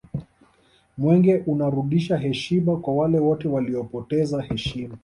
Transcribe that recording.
mwenge unarudisha heshima ya wale wote waliopoteza heshima